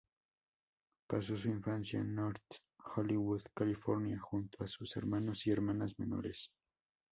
Pasó su infancia en North Hollywood, California, junto a sus hermanos y hermanas menores.